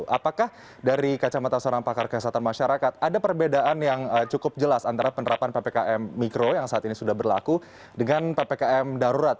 apakah dari kacamata seorang pakar kesehatan masyarakat ada perbedaan yang cukup jelas antara penerapan ppkm mikro yang saat ini sudah berlaku dengan ppkm darurat